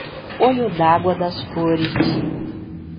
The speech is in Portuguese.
Olho d'Água das Flores